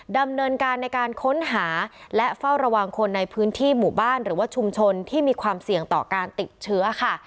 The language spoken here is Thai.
ดำเนินการในการค้นหาและเฝ้าระวังคนในพื้นที่หมู่บ้านหรือว่าชุมชนที่มีความเสี่ยงต่อการติดเชื้อค่ะ